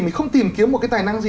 mình không tìm kiếm một cái tài năng gì